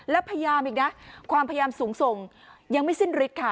แล้วพยายามอีกนะความพยายามสูงส่งยังไม่สิ้นฤทธิ์ค่ะ